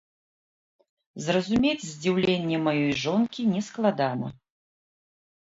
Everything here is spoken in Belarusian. Зразумець здзіўленне маёй жонкі нескладана.